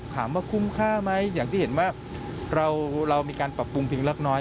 ถามว่าคุ้มค่าไหมอย่างที่เห็นว่าเรามีการปรับปรุงเพียงเล็กน้อย